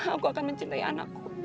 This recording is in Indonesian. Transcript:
aku akan mencintai anakku